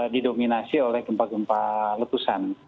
didominasi oleh gempa gempa letusan